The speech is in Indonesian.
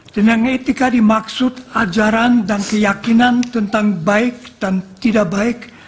dan yang etika dimaksud ajaran dan keyakinan tentang baik dan tidak baik